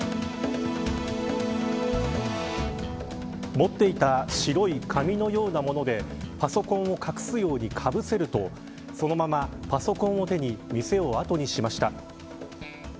持っていた白い紙のようなものでパソコンを隠すようにかぶせるとそのままパソコンを手に店をあとにしました。